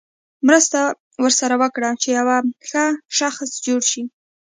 مرسته ورسره وکړه چې یو ښه شخص جوړ شي.